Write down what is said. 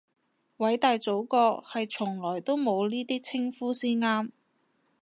偉大祖國係從來都冇呢啲稱呼先啱